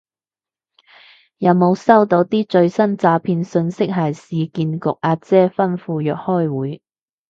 有冇收到啲最新詐騙訊息係市建局阿姐吩咐約開會